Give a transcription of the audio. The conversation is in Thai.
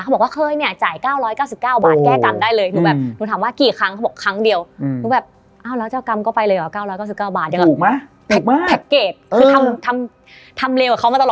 เขาบอกว่าเคยเนี่ยจ่าย๙๙๙บาทแก้กรรมได้เลย